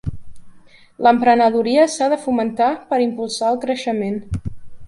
L'emprenedoria s'ha de fomentar per impulsar el creixement.